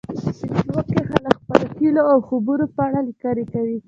په فېسبوک کې خلک د خپلو هیلو او خوبونو په اړه لیکنې کوي